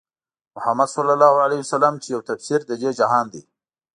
محمدص چې يو تفسير د دې جهان دی